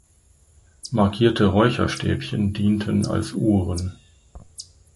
Markierte Räucherstäbchen dienten als Uhren.